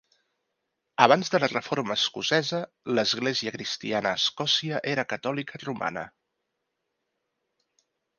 Abans de la Reforma escocesa, l'església cristiana a Escòcia era catòlica romana.